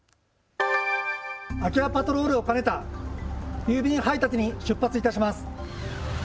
空き家パトロールを兼ねた郵便配達に出発いたします。